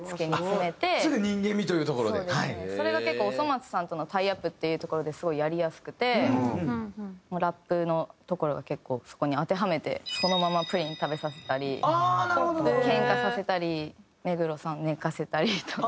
それが結構『おそ松さん』とのタイアップっていうところですごいやりやすくてラップのところは結構そこに当てはめてそのままプリン食べさせたりけんかさせたり目黒さん寝かせたりとか。